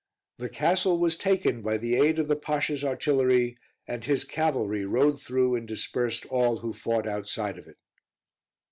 The castle was taken by the aid of the Pasha's artillery, and his cavalry rode through and dispersed all who fought outside of it.